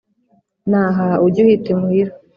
naha ujye uhita imuhira